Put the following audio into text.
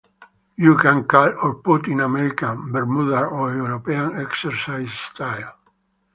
You can call or put in American, Bermudan, or European exercise style.